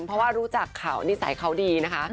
เพราะว่ารู้จักเขานิสัยเขาดีนะคะ